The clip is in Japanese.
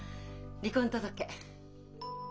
離婚届。